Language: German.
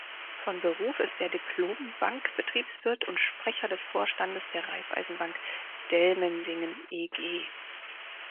Von Beruf ist er Diplom-Bankbetriebswirt und Sprecher des Vorstandes der Raiffeisenbank Dellmensingen eG.